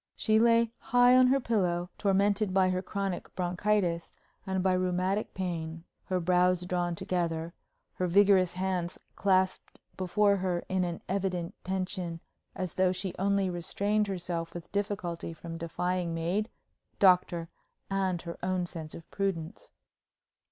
She lay high on her pillow, tormented by her chronic bronchitis and by rheumatic pain, her brows drawn together, her vigorous hands clasped before her in an evident tension, as though she only restrained herself with difficulty from defying maid, doctor, and her own sense of prudence.